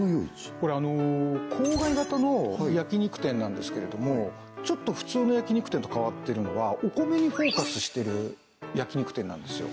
郊外型の焼き肉店なんですけれどもちょっと普通の焼き肉店と変わってるのはお米にフォーカスしてる焼き肉店なんですよ